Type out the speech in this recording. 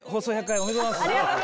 ありがとうございます。